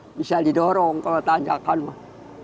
bisa didorong kalau tanjakan mah